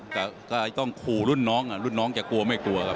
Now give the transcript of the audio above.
แต่ก็ต้องขู่รุ่นน้องรุ่นน้องจะกลัวไม่กลัวครับ